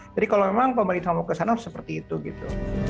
kalau memang pemerintah mau ke sana harus seperti itu gitu